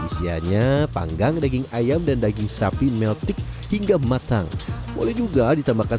isiannya panggang daging ayam dan daging sapi meltik hingga matang boleh juga ditambahkan